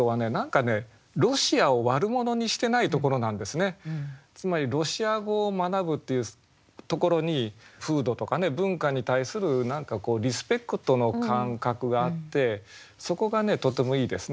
この句のいいところは何かねつまりロシア語を学ぶっていうところに風土とか文化に対する何かこうリスペクトの感覚があってそこがとてもいいですね。